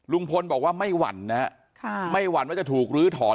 ลุงพลบอกว่าไม่หวั่นนะฮะไม่หวั่นว่าจะถูกลื้อถอน